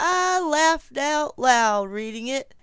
I laughed out loud, reading it.